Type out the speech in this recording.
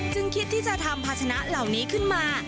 จึงคิดที่จะทำภาชนะเหล่านี้ขึ้นมา